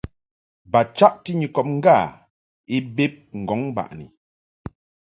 Ba chaʼti Nyikɔb ŋgâ i bed ŋgɔŋ baʼni.